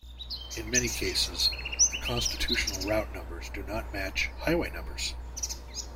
In many cases, the constitutional route numbers do not match highway numbers.